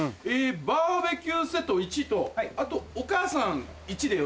「バーベキューセット１」とあと「お母さん１」でよろしいですか？